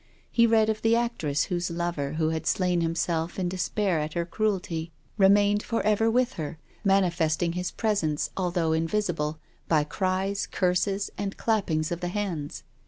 He read of the actress, whose lover, who had slain himself in despair at her cruelty, remained for ever 236 TONGUES OF CONSCIENCE. with her, manifesting his presence, although in visible, by cries, curses, and clappings of the hands.